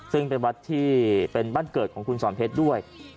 ซึ่งเป็นวัดที่เป็นบ้านเกิดของคุณสอนเพชรด้วย